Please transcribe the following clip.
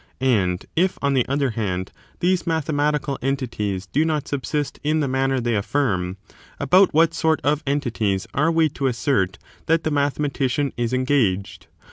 And if, on the other hand, these mathematical entities do not subsist in the manner they afl&rm, about what sort of entities are we to assert that the mathematician is engaged?